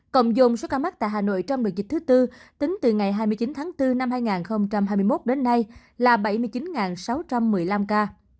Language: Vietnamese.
cộng dồn số ca mắc tại hà nội trong đợt dịch thứ tư tính từ ngày hai mươi chín tháng bốn năm hai nghìn hai mươi một đến nay là bảy mươi chín sáu trăm một mươi năm ca